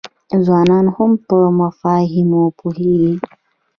ځوانان هم په مفاهیمو پوهیږي.